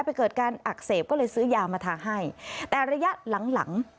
เกิดการอักเสบก็เลยซื้อยามาทาให้แต่ระยะหลังหลัง